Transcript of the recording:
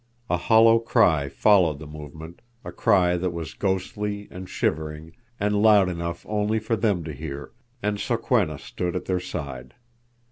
A hollow cry followed the movement, a cry that was ghostly and shivering, and loud enough only for them to hear, and Sokwenna stood at their side.